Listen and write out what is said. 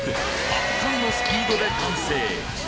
圧巻のスピードで完成！